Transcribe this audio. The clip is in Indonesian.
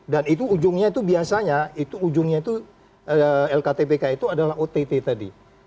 dan itu ujungnya itu biasanya itu ujungnya itu lktpk itu adalah ott tadi